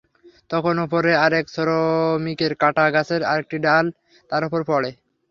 তখন ওপরে আরেক শ্রমিকের কাটা গাছের আরেকটি ডাল তাঁর ওপর পড়ে।